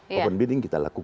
open bidding kita lakukan